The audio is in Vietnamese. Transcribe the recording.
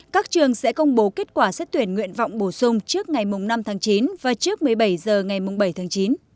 các trường sẽ công bố kết quả xét tuyển nguyện vọng bổ sung trước ngày năm tháng chín và trước một mươi bảy h ngày bảy tháng chín